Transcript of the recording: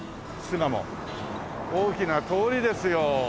大きな通りですよ。